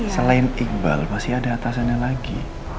selain iqbal masih ada atasannya lagi